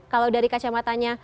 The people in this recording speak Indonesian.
kalau dari kacamatanya